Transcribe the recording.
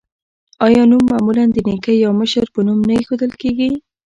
آیا نوم معمولا د نیکه یا مشر په نوم نه ایښودل کیږي؟